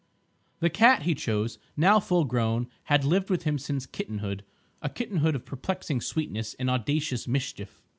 The cat he chose, now full grown, had lived with him since kittenhood, a kittenhood of perplexing sweetness and audacious mischief.